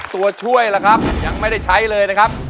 ตัวช่วยล่ะครับยังไม่ได้ใช้เลยนะครับ